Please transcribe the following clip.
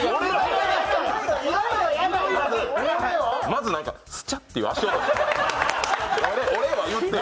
まず何か、スチャッていう足音がした。